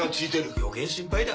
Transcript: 余計心配だ。